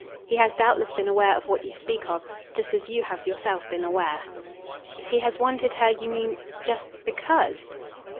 "He has doubtless been aware of what you speak of, just as you have yourself been aware." "He has wanted her, you mean, just BECAUSE